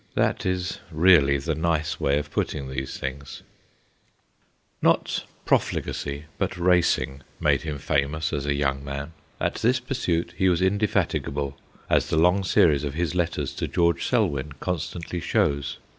That is really the nice way of putting these things. THE TURF 61 Not profligacy but racing made him famous as a young man. At this pursuit he was indefatigable, as the long series of his letters to George Selwyn constantly shows.